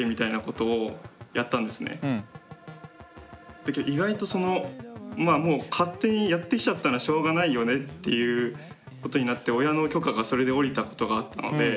だけど意外とそのまあもう勝手にやってきちゃったのはしょうがないよねっていうことになって親の許可がそれで下りたことがあったので。